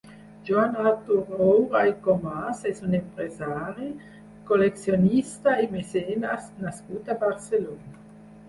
Joan-Artur Roura i Comas és un empresari, col·leccionista i mecenes nascut a Barcelona.